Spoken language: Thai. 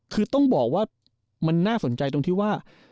คือต้องบอกว่ามันน่าสนใจตรงที่ว่า